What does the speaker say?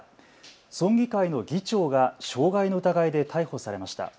村議会の議長が傷害の疑いで逮捕されました。